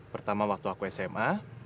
pertama waktu aku sma